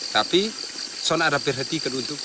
tapi kita ada perhatian untuk